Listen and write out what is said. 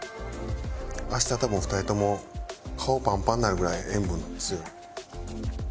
明日多分２人とも顔パンパンになるぐらい塩分強い。